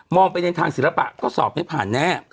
ไปในทางศิลปะก็สอบไม่ผ่านแน่